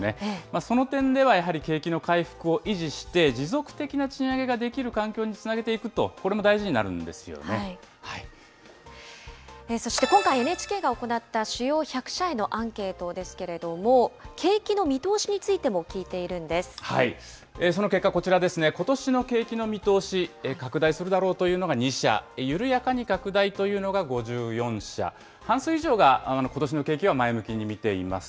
その点ではやはり景気の回復を維持して、持続的な賃上げができる環境につなげていくと、これも大そして今回、ＮＨＫが行った主要１００社へのアンケートですけれども、景気の見通しについてその結果、こちらですね、ことしの景気の見通し、拡大するだろうというのが２社、緩やかに拡大というのが５４社、半数以上がことしの景気は前向きに見ています。